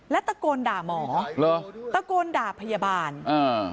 แล้วตะโกนด่าหมอเหรอตะโกนด่าพยาบาลอ่า